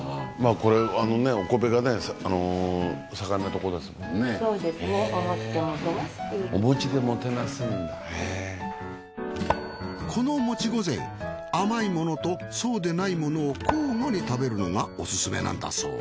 このもち御膳甘いものとそうでないものを交互に食べるのがオススメなんだそう。